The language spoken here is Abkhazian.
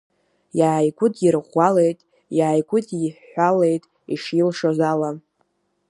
Иааигәыдирӷәӷәалеит, иааигәыдиҳәҳәалеит ишилшоз ала.